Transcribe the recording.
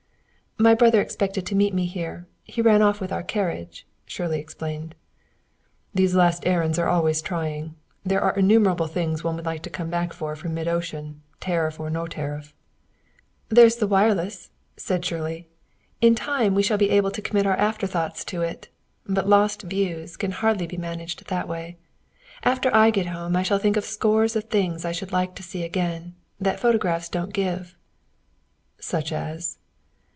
"My brother expected to meet me here; he ran off with our carriage," Shirley explained. "These last errands are always trying there are innumerable things one would like to come back for from mid ocean, tariff or no tariff." "There's the wireless," said Shirley. "In time we shall be able to commit our afterthoughts to it. But lost views can hardly be managed that way. After I get home I shall think of scores of things I should like to see again that photographs don't give." "Such as